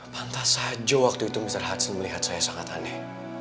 pantas saja waktu itu mr hatsi melihat saya sangat aneh